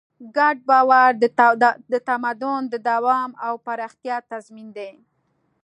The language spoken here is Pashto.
ګډ باور د تمدن د دوام او پراختیا تضمین دی.